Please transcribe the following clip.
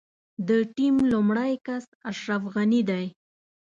د ټيم لومړی کس اشرف غني دی.